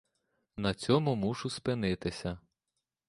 На цьому мушу спинитися.